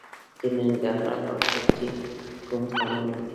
د ننګرهار په کوټ کې کوم کانونه دي؟